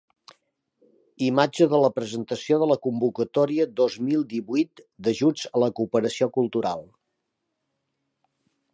Imatge de la presentació de la convocatòria dos mil divuit d'ajuts a la cooperació cultural.